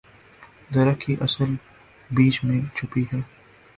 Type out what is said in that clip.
درخت کی اصل بیج میں چھپی ہے۔